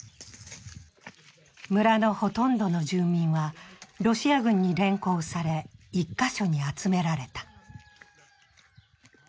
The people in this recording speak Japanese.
村のほとんどの住民はロシア軍に連行され１か所に集められた。